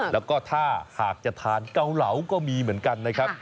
แล้วก็ถ้าหากจะทานเกาเหลาก็มีเหมือนกันนะครับ